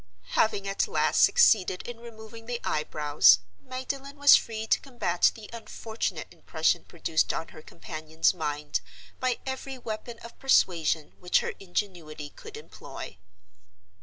Having at last succeeded in removing the eyebrows, Magdalen was free to combat the unfortunate impression produced on her companion's mind by every weapon of persuasion which her ingenuity could employ.